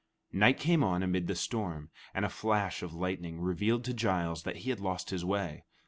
Night came on amid the storm, and a flash of lightning revealed to Giles that he had lost his way.